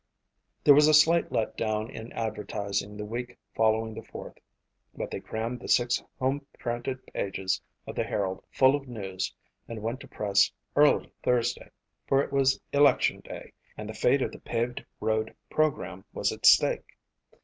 There was a slight let down in advertising the week following the Fourth but they crammed the six home printed pages of the Herald full of news and went to press early Thursday, for it was election day and the fate of the paved road program was at stake.